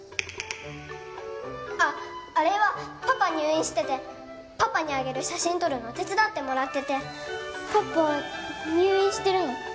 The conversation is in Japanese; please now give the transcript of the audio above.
あっあれはパパ入院しててパパにあげる写真撮るの手伝ってもらっててパパ入院してるの？